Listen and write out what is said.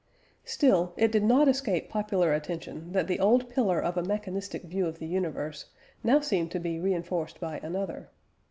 Still, it did not escape popular attention that the old pillar of a mechanistic view of the universe now seemed to be reinforced by another.